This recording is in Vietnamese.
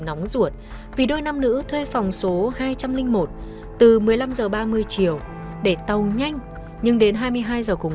nóng ruột vì đôi nam nữ thuê phòng số hai trăm linh một từ một mươi năm h ba mươi chiều để tàu nhanh nhưng đến hai mươi hai h cùng